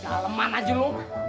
kaleman aja dong